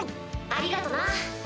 ありがとな。